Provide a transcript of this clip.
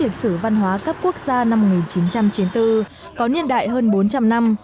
lịch sử văn hóa cấp quốc gia năm một nghìn chín trăm chín mươi bốn có niên đại hơn bốn trăm linh năm